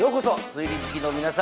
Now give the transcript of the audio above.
推理好きの皆さん。